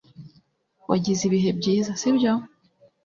Wagize ibihe byiza, sibyo?